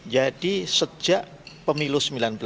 jadi sejak pemilu seribu sembilan ratus sembilan puluh sembilan